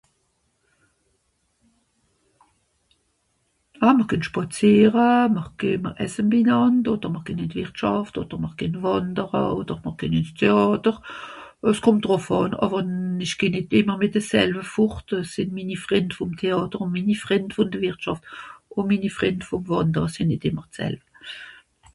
a mr gehn schpàzeere mr gehn mr esse bìnànder oder mr gehn ìn d'Verschàft oder mr gehn Wàndere oder mr gehn ìns théàtre euh s'kòmmt dàrof'àn àwer ìsch gehn nìt ìmmer mìt de selve fòrt sìn minni Frìnd vòm Théàtre ùn minni Frìnd vòn d'Vertschàft o minni Frìnd vòm Wàndere sìn nìt ìmmer d'selb